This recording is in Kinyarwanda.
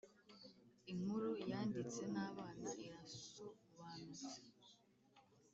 inkuru yanditse n’abana irasobonutse